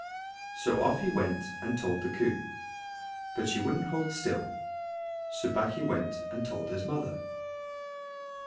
So off he went and told the Coo, but she wouldn't hold still, so back he went and told his mother.